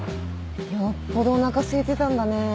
よっぽどおなかすいてたんだね。